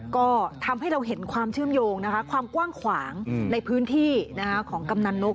ก็ทำให้เราเห็นความเชื่อมโยงนะคะความกว้างขวางในพื้นที่ของกำนันนก